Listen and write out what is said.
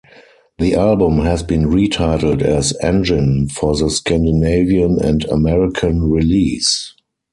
The album has been retitled as "Engine" for the Scandinavian and American release.